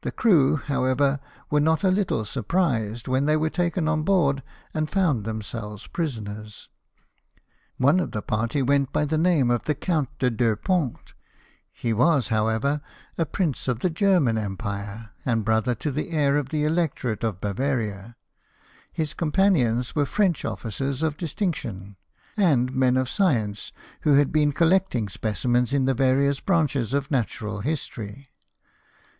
The crew, however, were not a little surprised when they were taken on board, and found them selves prisoners. One of the party went by the name of the Count de Deux Fonts. He was, how ever, a prince of the German empire, and brother to the heir of the electorate of Bavaria, his companions were French officers of distinction, and men of science, who had been collecting specimens in the various branches of natural history.